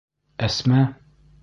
Әсмә?